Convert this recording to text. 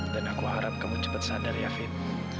dan aku harap kamu cepat sadar ya fit